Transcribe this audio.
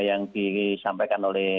yang disampaikan oleh